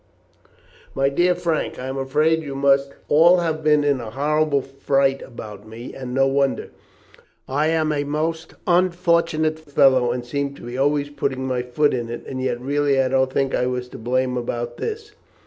"My dear Frank, I am afraid you must all have been in a horrible fright about me, and no wonder. I am a most unfortunate fellow, and seem to be always putting my foot in it, and yet really I don't think I was to blame about this.